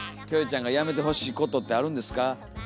キョエちゃんがやめてほしいことってあるんですか？